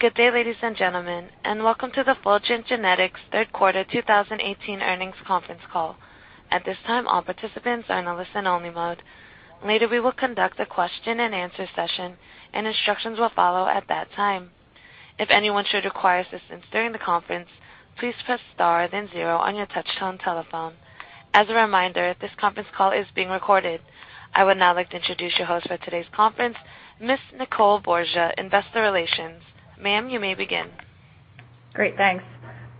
Good day, ladies and gentlemen, welcome to the Fulgent Genetics third quarter 2018 earnings conference call. At this time, all participants are in listen only mode. Later, we will conduct a question and answer session, instructions will follow at that time. If anyone should require assistance during the conference, please press star then zero on your touchtone telephone. As a reminder, this conference call is being recorded. I would now like to introduce your host for today's conference, Ms. Nicole Borgia, investor relations. Ma'am, you may begin. Great. Thanks.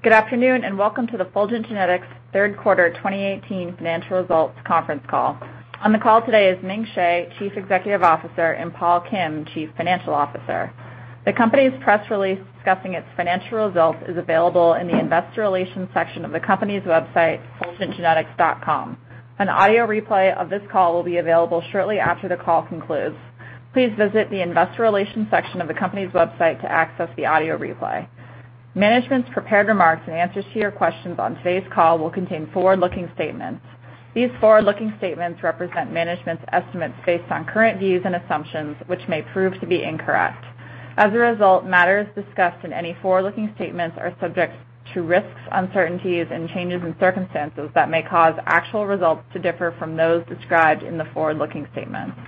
Good afternoon, welcome to the Fulgent Genetics third quarter 2018 financial results conference call. On the call today is Ming Hsieh, Chief Executive Officer, and Paul Kim, Chief Financial Officer. The company's press release discussing its financial results is available in the investor relations section of the company's website, fulgentgenetics.com. An audio replay of this call will be available shortly after the call concludes. Please visit the investor relations section of the company's website to access the audio replay. Management's prepared remarks in answers to your questions on today's call will contain forward-looking statements. These forward-looking statements represent management's estimates based on current views and assumptions, which may prove to be incorrect. As a result, matters discussed in any forward-looking statements are subject to risks, uncertainties, and changes in circumstances that may cause actual results to differ from those described in the forward-looking statements.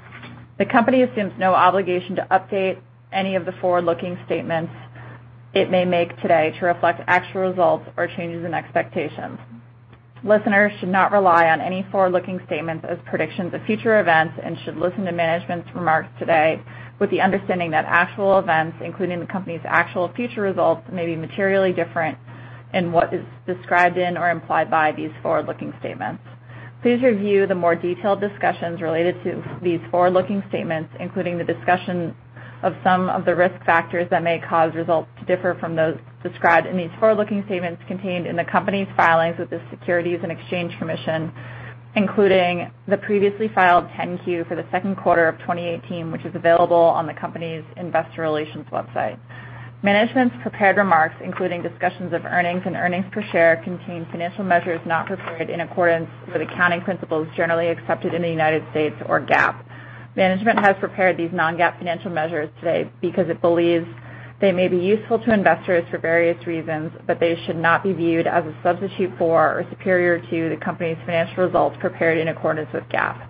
The company assumes no obligation to update any of the forward-looking statements it may make today to reflect actual results or changes in expectations. Listeners should not rely on any forward-looking statements as predictions of future events and should listen to management's remarks today with the understanding that actual events, including the company's actual future results, may be materially different in what is described in or implied by these forward-looking statements. Please review the more detailed discussions related to these forward-looking statements, including the discussion of some of the risk factors that may cause results to differ from those described in these forward-looking statements contained in the company's filings with the Securities and Exchange Commission, including the previously filed Form 10-Q for the second quarter of 2018, which is available on the company's investor relations website. Management's prepared remarks, including discussions of earnings and earnings per share, contain financial measures not prepared in accordance with accounting principles generally accepted in the U.S. or GAAP. Management has prepared these non-GAAP financial measures today because it believes they may be useful to investors for various reasons, but they should not be viewed as a substitute for or superior to the company's financial results prepared in accordance with GAAP.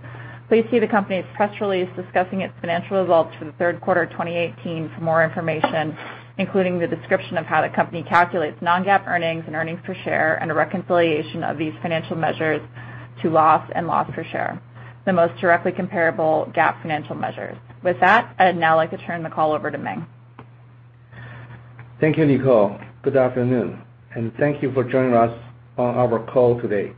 Please see the company's press release discussing its financial results for the third quarter of 2018 for more information, including the description of how the company calculates non-GAAP earnings and earnings per share, and a reconciliation of these financial measures to loss and loss per share, the most directly comparable GAAP financial measures. With that, I'd now like to turn the call over to Ming. Thank you, Nicole. Good afternoon, and thank you for joining us on our call today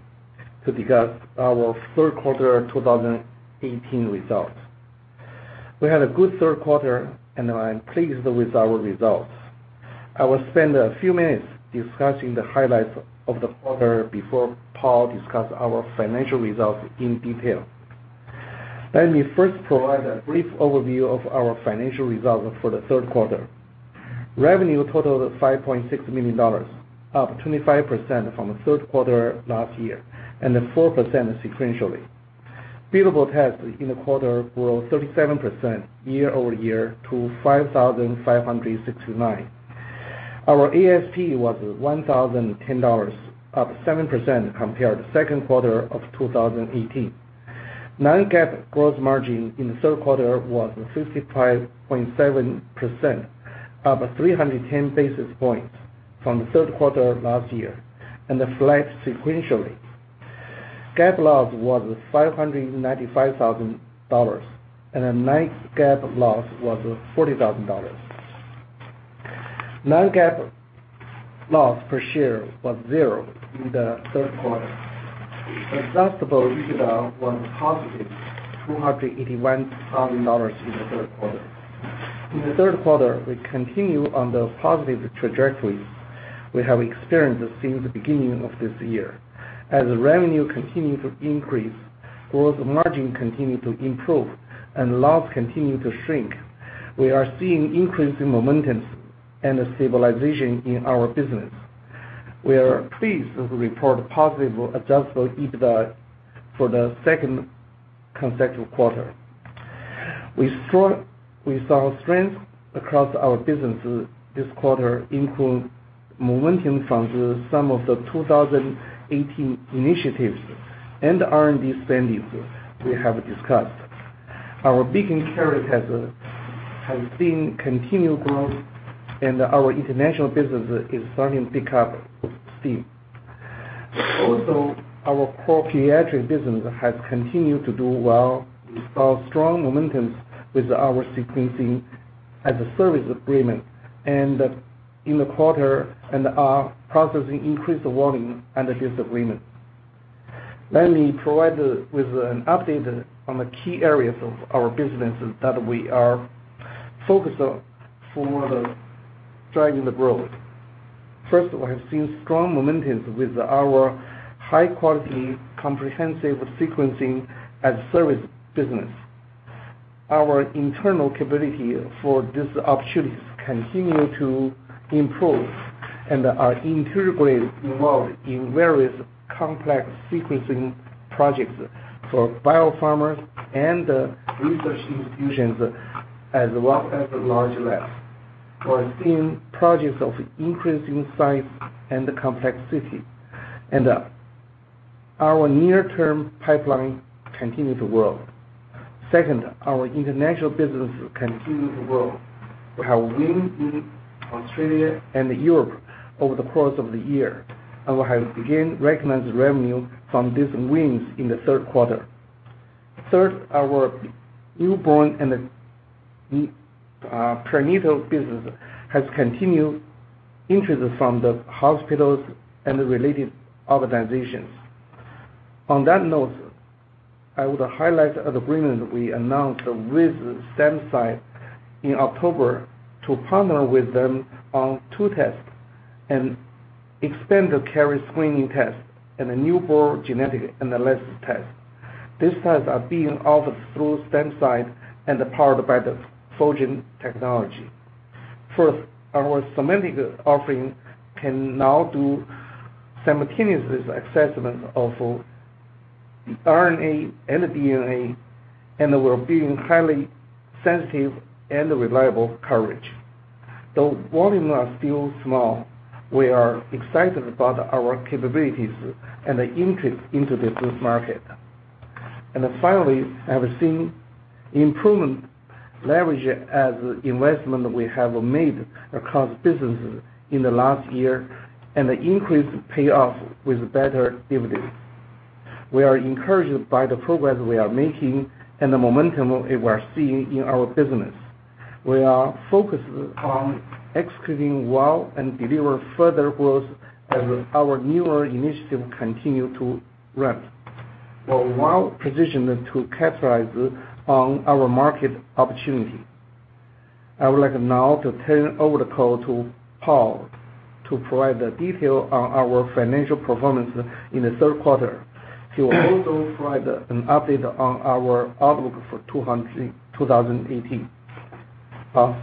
to discuss our third quarter 2018 results. We had a good third quarter, and I'm pleased with our results. I will spend a few minutes discussing the highlights of the quarter before Paul discuss our financial results in detail. Let me first provide a brief overview of our financial results for the third quarter. Revenue totaled $5.6 million, up 25% from the third quarter last year and then 4% sequentially. Billable tests in the quarter grew 37% year over year to 5,569. Our ASP was $1,010, up 7% compared to second quarter of 2018. Non-GAAP gross margin in the third quarter was 55.7%, up 310 basis points from the third quarter last year, and then flat sequentially. GAAP loss was $595,000, and a non-GAAP loss was $40,000. Non-GAAP loss per share was zero in the third quarter. Adjusted EBITDA was positive $281,000 in the third quarter. In the third quarter, we continue on the positive trajectory we have experienced since the beginning of this year. As revenue continue to increase, gross margin continue to improve, and loss continue to shrink. We are seeing increasing momentum and stabilization in our business. We are pleased to report a positive Adjusted EBITDA for the second consecutive quarter. We saw strength across our businesses this quarter include momentum from some of the 2018 initiatives and R&D spendings we have discussed. Our Beacon Carrier Screening has seen continued growth and our international business is starting to pick up steam. Also, our core pediatric business has continued to do well with our strong momentum with our sequencing as a service agreement and in the quarter and are processing increased volume under this agreement. Let me provide with an update on the key areas of our business that we are focused on for the driving the growth. First, we have seen strong momentum with our high-quality, comprehensive sequencing as service business. Our internal capability for these opportunities continue to improve and are integrally involved in various complex sequencing projects for biopharmas and research institutions, as well as large labs. We are seeing projects of increasing size and complexity. Our near-term pipeline continues to grow. Second, our international business continues to grow. We have wins in Australia and Europe over the course of the year, and we have begun recognizing revenue from these wins in the third quarter. Third, our newborn and prenatal business has continued interest from the hospitals and the related organizations. On that note, I would highlight the agreement we announced with StemCyte in October to partner with them on two tests and expand the carrier screening test and a newborn genetic analysis test. These tests are being offered through StemCyte and powered by the Fulgent technology. Fourth, our SEMA4A offering can now do simultaneous assessment of RNA and DNA, and we're being highly sensitive and reliable coverage. Though volumes are still small, we are excited about our capabilities and the interest into this market. Finally, I have seen improvement leverage as investment we have made across businesses in the last year, and the increased payoff with better dividends. We are encouraged by the progress we are making and the momentum we are seeing in our business. We are focused on executing well and deliver further growth as our newer initiatives continue to ramp. We're well-positioned to capitalize on our market opportunity. I would like now to turn over the call to Paul to provide the detail on our financial performance in the third quarter. He will also provide an update on our outlook for 2018. Paul?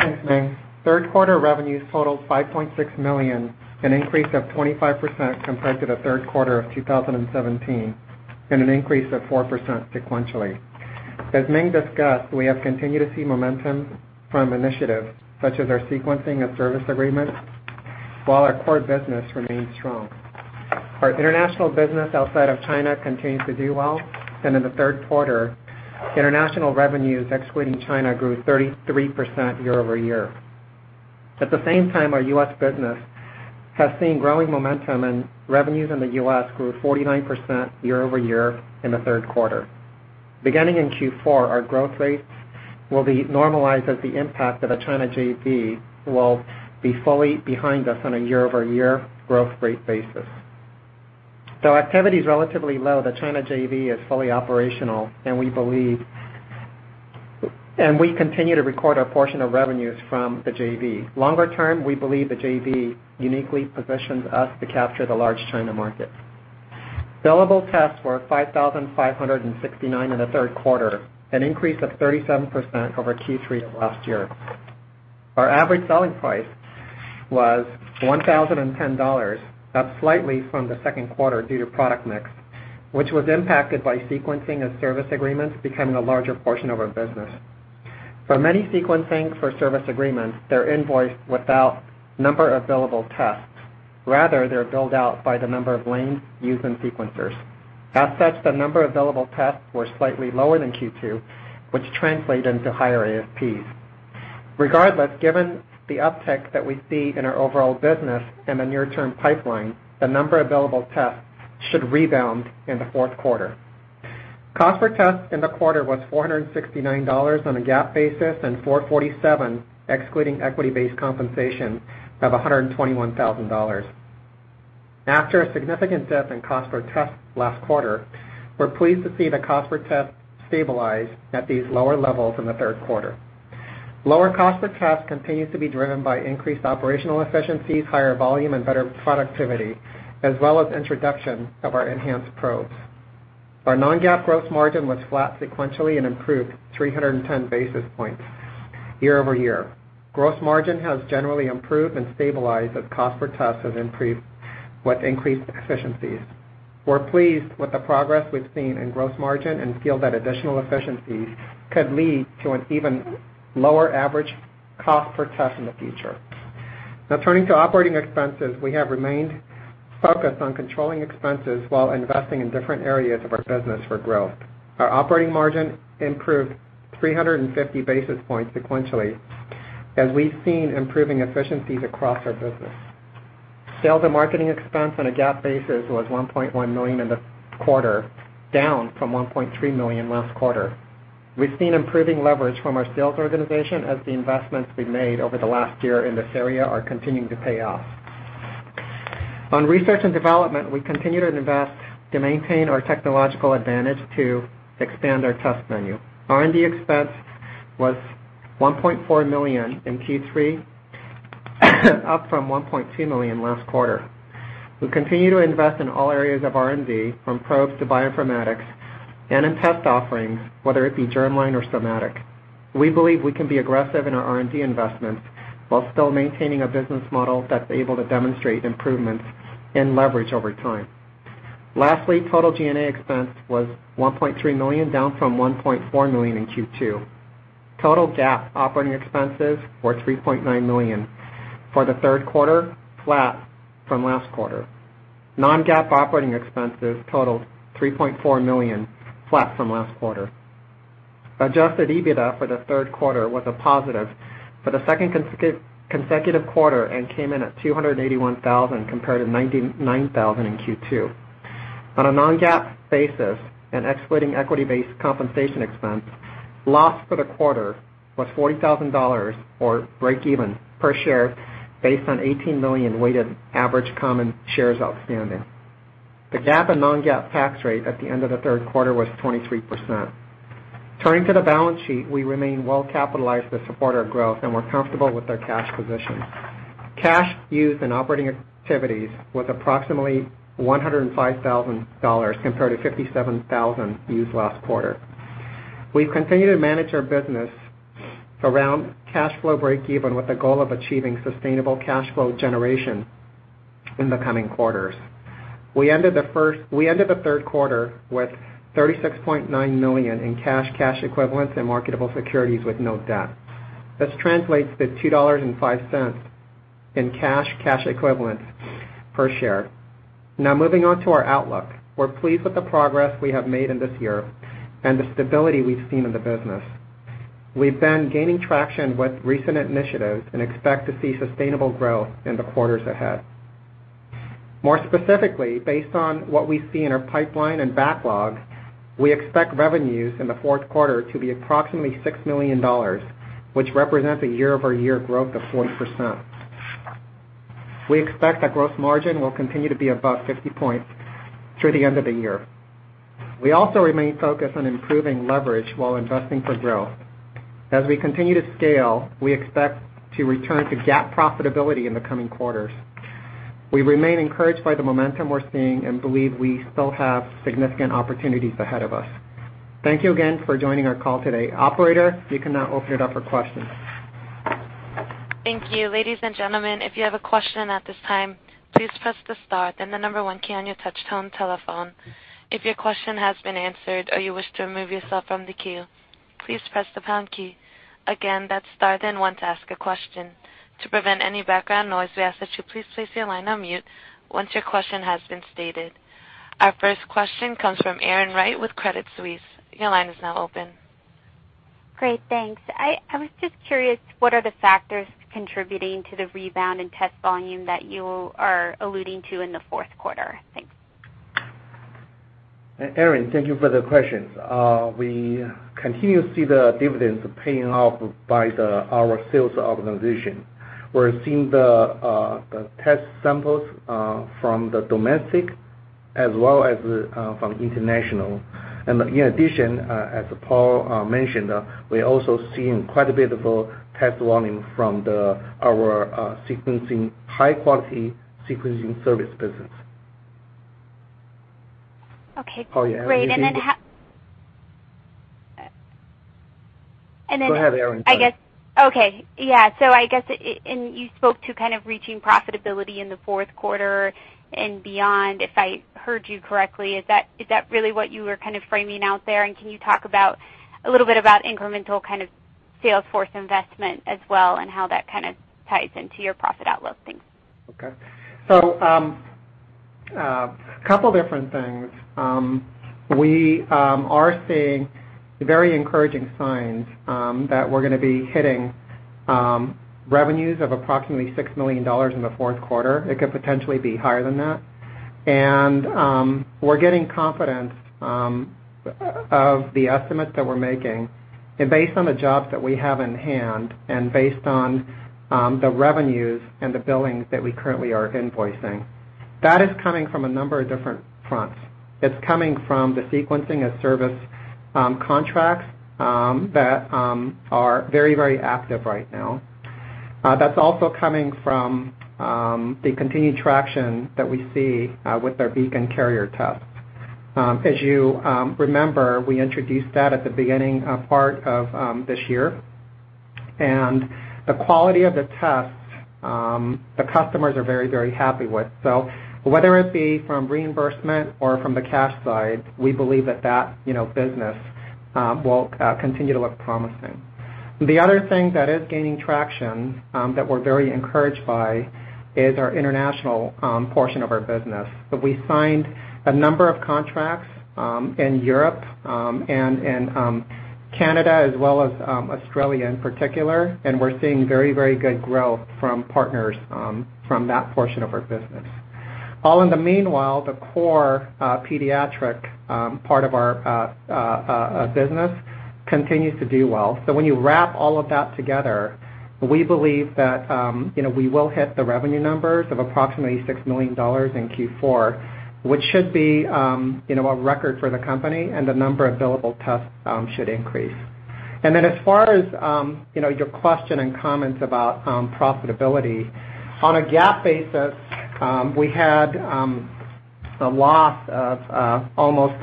Thanks, Ming. Third quarter revenues totaled $5.6 million, an increase of 25% compared to the third quarter of 2017 and an increase of 4% sequentially. As Ming discussed, we have continued to see momentum from initiatives such as our sequencing and service agreement, while our core business remains strong. Our international business outside of China continues to do well, and in the third quarter, international revenues excluding China grew 33% year-over-year. At the same time, our U.S. business has seen growing momentum and revenues in the U.S. grew 49% year-over-year in the third quarter. Beginning in Q4, our growth rates will be normalized as the impact of the China JV will be fully behind us on a year-over-year growth rate basis. Though activity is relatively low, the China JV is fully operational, and we continue to record a portion of revenues from the JV. Longer term, we believe the JV uniquely positions us to capture the large China market. Billable tests were 5,569 in the third quarter, an increase of 37% over Q3 of last year. Our average selling price was $1,010, up slightly from the second quarter due to product mix, which was impacted by sequencing and service agreements becoming a larger portion of our business. For many sequencing for service agreements, they're invoiced without number of billable tests. Rather, they're billed out by the number of lanes used in sequencers. As such, the number of billable tests were slightly lower than Q2, which translate into higher ASPs. Regardless, given the uptick that we see in our overall business and the near-term pipeline, the number of billable tests should rebound in the fourth quarter. Cost per test in the quarter was $469 on a GAAP basis and $447 excluding equity-based compensation of $121,000. After a significant dip in cost per test last quarter, we're pleased to see the cost per test stabilize at these lower levels in the third quarter. Lower cost per test continues to be driven by increased operational efficiencies, higher volume, and better productivity, as well as introduction of our enhanced probes. Our non-GAAP gross margin was flat sequentially and improved 310 basis points year-over-year. Gross margin has generally improved and stabilized as cost per test has increased with increased efficiencies. We're pleased with the progress we've seen in gross margin and feel that additional efficiencies could lead to an even lower average cost per test in the future. Now turning to operating expenses, we have remained focused on controlling expenses while investing in different areas of our business for growth. Our operating margin improved 350 basis points sequentially as we've seen improving efficiencies across our business. Sales and marketing expense on a GAAP basis was $1.1 million in the quarter, down from $1.3 million last quarter. We've seen improving leverage from our sales organization as the investments we've made over the last year in this area are continuing to pay off. On research and development, we continue to invest to maintain our technological advantage to expand our test menu. R&D expense was $1.4 million in Q3, up from $1.2 million last quarter. We continue to invest in all areas of R&D, from probes to bioinformatics and in test offerings, whether it be germline or somatic. We believe we can be aggressive in our R&D investments while still maintaining a business model that's able to demonstrate improvements in leverage over time. Lastly, total G&A expense was $1.3 million, down from $1.4 million in Q2. Total GAAP operating expenses were $3.9 million for the third quarter, flat from last quarter. Non-GAAP operating expenses totaled $3.4 million, flat from last quarter. Adjusted EBITDA for the third quarter was a positive for the second consecutive quarter and came in at $281,000 compared to $99,000 in Q2. On a non-GAAP basis and excluding equity-based compensation expense, loss for the quarter was $40,000 or breakeven per share based on 18 million weighted average common shares outstanding. The GAAP and non-GAAP tax rate at the end of the third quarter was 23%. Turning to the balance sheet, we remain well capitalized to support our growth and we're comfortable with our cash position. Cash use in operating activities was approximately $105,000 compared to $57,000 used last quarter. We've continued to manage our business around cash flow breakeven with the goal of achieving sustainable cash flow generation in the coming quarters. We ended the third quarter with $36.9 million in cash equivalents, and marketable securities with no debt. This translates to $2.05 in cash equivalents per share. Moving on to our outlook. We're pleased with the progress we have made in this year and the stability we've seen in the business. We've been gaining traction with recent initiatives and expect to see sustainable growth in the quarters ahead. More specifically, based on what we see in our pipeline and backlog, we expect revenues in the fourth quarter to be approximately $6 million, which represents a year-over-year growth of 40%. We expect that gross margin will continue to be above 50 points through the end of the year. We also remain focused on improving leverage while investing for growth. As we continue to scale, we expect to return to GAAP profitability in the coming quarters. We remain encouraged by the momentum we're seeing and believe we still have significant opportunities ahead of us. Thank you again for joining our call today. Operator, you can now open it up for questions. Thank you. Ladies and gentlemen, if you have a question at this time, please press the star then the number 1 key on your touchtone telephone. If your question has been answered, or you wish to remove yourself from the queue, please press the pound key. Again, that's star then 1 to ask a question. To prevent any background noise, we ask that you please place your line on mute once your question has been stated. Our first question comes from Erin Wright with Credit Suisse. Your line is now open. Great, thanks. I was just curious, what are the factors contributing to the rebound in test volume that you are alluding to in the fourth quarter? Thanks. Erin, thank you for the question. We continue to see the dividends paying off by our sales organization. We're seeing the test samples from the domestic as well as from international. In addition, as Paul mentioned, we're also seeing quite a bit of a test volume from our high-quality sequencing service business. Okay, great. Go ahead, Erin. Sorry. Okay. Yeah. I guess, and you spoke to kind of reaching profitability in the fourth quarter and beyond, if I heard you correctly. Is that really what you were kind of framing out there, and can you talk a little bit about incremental kind of sales force investment as well, and how that kind of ties into your profit outlook? Thanks. Okay. A couple different things. We are seeing very encouraging signs that we're going to be hitting revenues of approximately $6 million in the fourth quarter. It could potentially be higher than that. We're getting confidence of the estimates that we're making and based on the jobs that we have in hand, and based on the revenues and the billings that we currently are invoicing. That is coming from a number of different fronts. It's coming from the sequencing of service contracts that are very active right now. That's also coming from the continued traction that we see with our Beacon Carrier test. As you remember, we introduced that at the beginning part of this year. The quality of the tests, the customers are very happy with. Whether it be from reimbursement or from the cash side, we believe that that business will continue to look promising. The other thing that is gaining traction that we're very encouraged by is our international portion of our business. We signed a number of contracts in Europe and in Canada, as well as Australia in particular, and we're seeing very good growth from partners from that portion of our business. All in the meanwhile, the core pediatric part of our business continues to do well. When you wrap all of that together, we believe that we will hit the revenue numbers of approximately $6 million in Q4, which should be a record for the company and the number of billable tests should increase. As far as your question and comments about profitability, on a GAAP basis, we had a loss of almost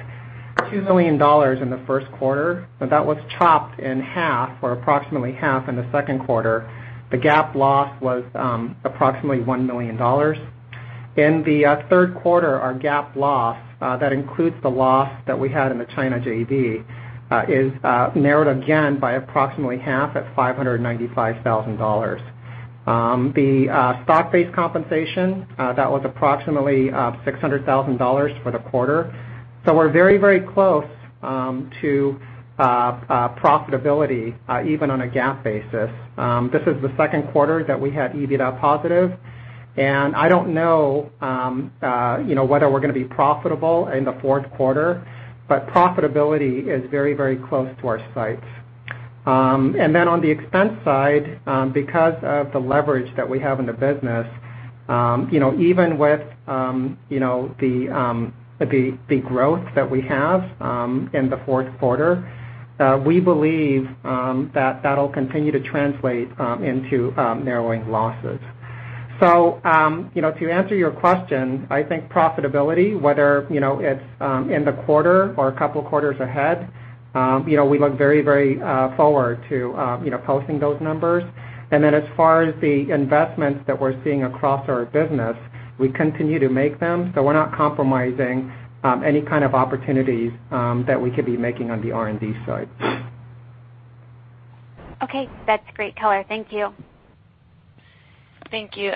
$2 million in the first quarter, that was chopped in half or approximately half in the second quarter. The GAAP loss was approximately $1 million. In the third quarter, our GAAP loss, that includes the loss that we had in the China JV, is narrowed again by approximately half at $595,000. The stock-based compensation, that was approximately $600,000 for the quarter. We're very close to profitability, even on a GAAP basis. This is the second quarter that we had EBITDA positive, I don't know whether we're going to be profitable in the fourth quarter, profitability is very close to our sights. On the expense side, because of the leverage that we have in the business, even with the growth that we have in the fourth quarter, we believe that that'll continue to translate into narrowing losses. To answer your question, I think profitability, whether it's in the quarter or a couple quarters ahead, we look very forward to posting those numbers. As far as the investments that we're seeing across our business, we continue to make them, we're not compromising any kind of opportunities that we could be making on the R&D side. That's great color. Thank you. Thank you.